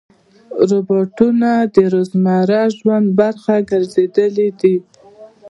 روبوټونه د روزمره ژوند برخه ګرځېدلي دي.